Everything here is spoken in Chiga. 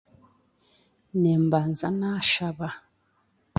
Nimbanza naashaba